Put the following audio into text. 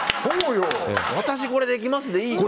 私、これできますでいいよ。